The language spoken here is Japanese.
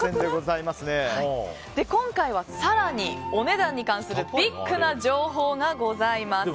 今回は更にお値段に関するビッグな情報がございます。